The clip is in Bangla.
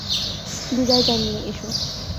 বিদায় জানিয়ে এসো।